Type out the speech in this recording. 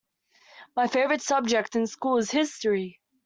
My favorite subject in school is history.